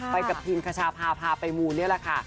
ไปกับพิมขชฌาพาพาไปมูลนี่ล่ะค่ะ